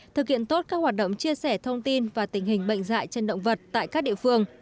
thực hiện tốt các hoạt động chia sẻ thông tin và tình hình bệnh dạy trên động vật tại các địa phương